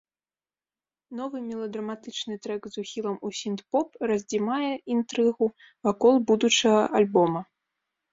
Новы меладраматычны трэк з ухілам у сінт-поп раздзімае інтрыгу вакол будучага альбома.